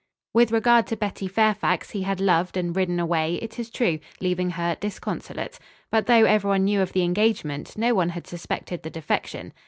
With regard to Betty Fairfax, he had loved and ridden away, it is true, leaving her disconsolate. But though everyone knew of the engagement, no one had suspected the defection.